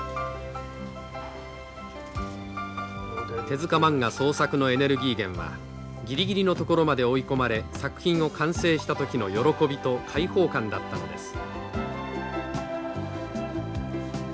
手塚マンガ創作のエネルギー源はギリギリのところまで追い込まれ作品を完成した時の喜びと解放感だったのです。